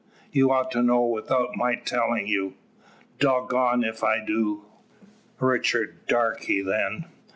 "You ought to know without my telling you." "Dog goned ef I do." "Richard Darke, then."